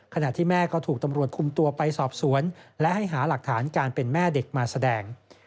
ขณะที่แม่ก็ถูกตำรวจคุมตัวไปสอบสวนและให้หาหลักฐานการเป็นแม่เด็กมาแสดง